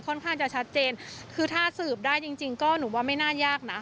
ค่อนข้างจะชัดเจนคือถ้าสืบได้จริงจริงก็หนูว่าไม่น่ายากนะ